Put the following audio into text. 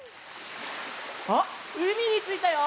あっうみについたよ！